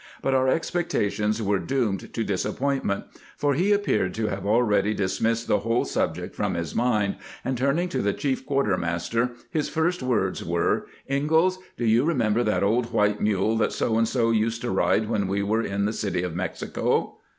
But our expectations were doomed AFTER THE SUERENDEB 489 to disappointment, for he appeared to have already dis missed the whole subject from his mind, and turning to the chief quartermaster, his first words were :" Ingalls, do you remember that old white mule that So and so used to ride when we were in the city of Mexico?"